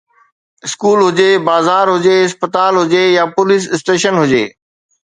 school هجي، بازار هجي، اسپتال هجي يا پوليس اسٽيشن هجي